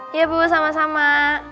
iya bu sama sama